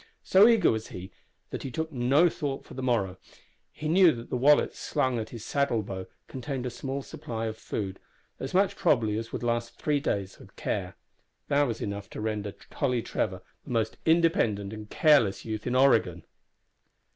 So eager was he that he took no thought for the morrow. He knew that the wallet slung at his saddle bow contained a small supply of food as much, probably, as would last three days with care. That was enough to render Tolly Trevor the most independent and careless youth in Oregon.